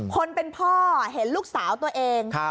คนเป็นพ่อเห็นลูกสาวตัวเอง